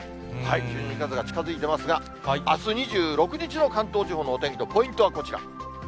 １２月が近づいてますが、あす２６日の関東地方のお天気のポイントはこちら。